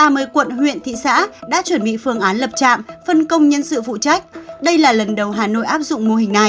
ba mươi quận huyện thị xã đã chuẩn bị phương án lập trạm phân công nhân sự phụ trách đây là lần đầu hà nội áp dụng mô hình này